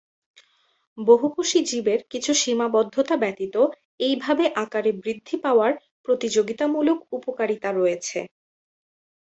বহুকোষী জীবের কিছু সীমাবদ্ধতা ব্যতীত এইভাবে আকারে বৃদ্ধি পাওয়ার প্রতিযোগিতামূলক উপকারিতা রয়েছে।